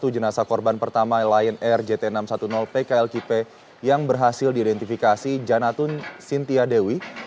satu jenazah korban pertama lion air jt enam ratus sepuluh pklkp yang berhasil diidentifikasi janatun sintia dewi